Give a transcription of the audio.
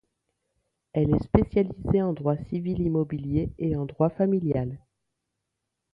Elle est spécialisée en droit civil immobilier et en droit familial.